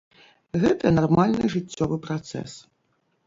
Гэта нармальны жыццёвы працэс.